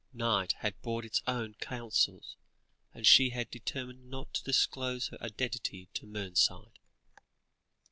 Night had brought its own counsels, and she had determined not to disclose her identity to Mernside.